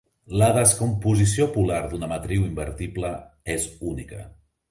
La descomposició polar d'una matriu invertible és única.